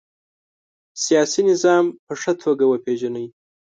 سیاسي نظام په ښه توګه وپيژنئ.